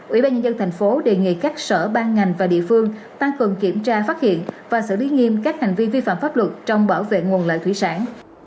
ủy ban nhân dân thành phố đề nghị các sở ban ngành và địa phương tăng cường kiểm tra phát hiện và xử lý nghiêm các hành vi vi phạm pháp luật trong bảo vệ nguồn lợi thủy sản